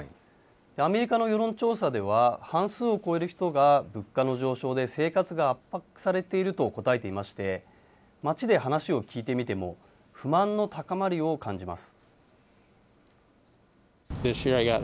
アメリカの世論調査では、半数を超える人が物価の上昇で生活が圧迫されていると答えていまして、街で話を聞いてみても、不満の高まりを感じます。